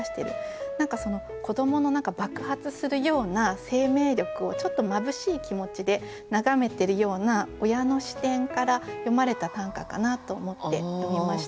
何かその子どもの爆発するような生命力をちょっとまぶしい気持ちで眺めてるような親の視点から詠まれた短歌かなと思って読みました。